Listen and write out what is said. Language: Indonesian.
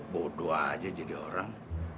bodoh aja jadi orang